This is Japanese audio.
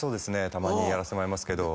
たまにやらせてもらいますけど。